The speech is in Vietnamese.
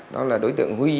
đó là đối tượng huy